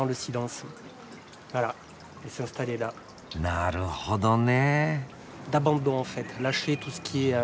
なるほどね。